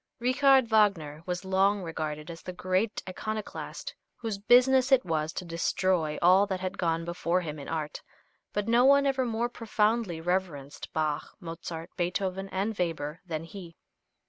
Richard Wagner was long regarded as the great iconoclast whose business it was to destroy all that had gone before him in art, but no one ever more profoundly reverenced Bach, Mozart, Beethoven and Weber than he.